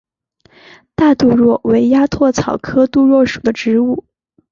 大杜若为鸭跖草科杜若属的植物。